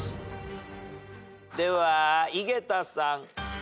では井桁さん。